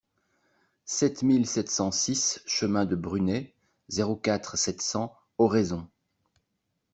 sept mille sept cent six chemin de Brunet, zéro quatre, sept cents, Oraison